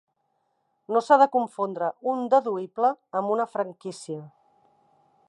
No s'ha de confondre un deduïble amb una franquícia.